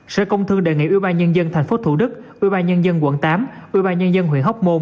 sở công thương đề nghị tp hcm tp thq tp hnq tp hnh